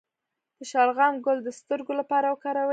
د شلغم ګل د سترګو لپاره وکاروئ